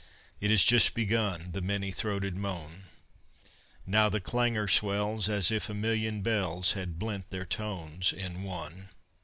It is just begun, The many throated moan ... Now the clangor swells As if a million bells Had blent their tones in one!